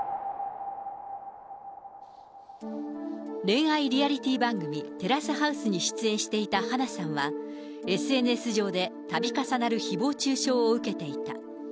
恋愛リアリティー番組、テラスハウスに出演していた花さんは、ＳＮＳ上でたび重なるひぼう中傷を受けていた。